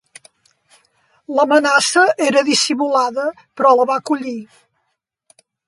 L'amenaça era dissimulada, però la va collir.